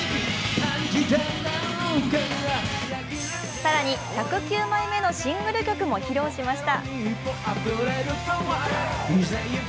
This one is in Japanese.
更に、１０９枚目のシングル曲も披露しました。